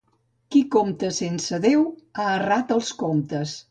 Qui compta sense Déu, ha errat els comptes.